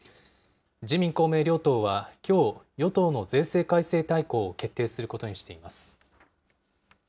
自民、公明両党は、きょう、与党の税制改正大綱を決定することにしています。